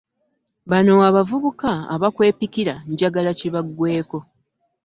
Bano abavubuka abakwepikira njjagala kibagweko.